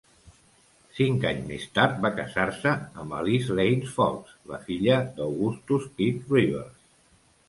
Cinc anys més tard va casar-se amb Alice Lane Fox, la filla d'Augustus Pitt Rivers.